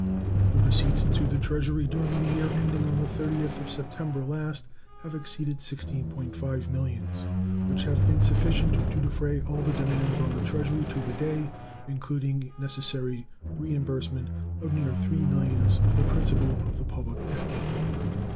The receipts into the Treasury during the year ending on the 30th of September last have exceeded $16.5 millions, which have been sufficient to defray all the demands on the Treasury to that day, including a necessary reimbursement of near $3 millions of the principal of the public debt.